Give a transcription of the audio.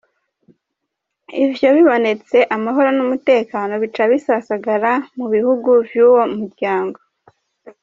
Ivyo bibonetse amahoro n'umutekano bica bisasagara mu bihugu vy'uwu muryango".